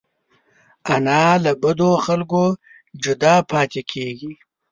انا له بدو خلکو جدا پاتې کېږي